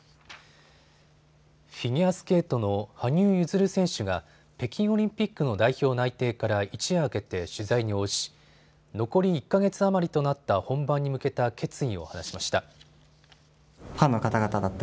フィギュアスケートの羽生結弦選手が北京オリンピックの代表内定から一夜明けて取材に応じ残り２か月余りとなった本番に向けた決意を話しました。